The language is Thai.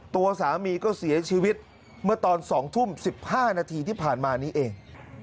ตัวสามีก็เสียชีวิตเมื่อตอน๒ทุ่ม๑๕นาทีที่ผ่านมานี้เอง